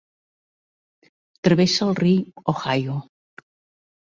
Travessa el riu Ohio.